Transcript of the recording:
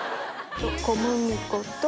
小麦粉と。